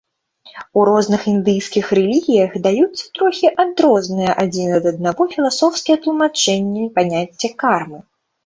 У розных індыйскіх рэлігіях даюцца трохі адрозныя адзін ад аднаго філасофскія тлумачэнні паняцця кармы.